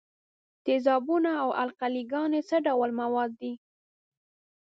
تیزابونه او القلې ګانې څه ډول مواد دي؟